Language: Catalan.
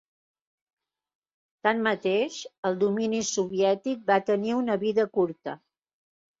Tanmateix, el domini soviètic va tenir una vida curta.